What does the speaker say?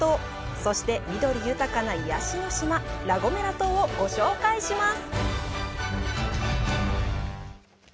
そして、緑豊かな癒やしの島、ラ・ゴメラ島をご紹介します。